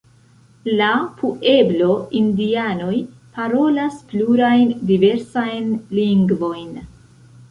La pueblo-indianoj parolas plurajn diversajn lingvojn.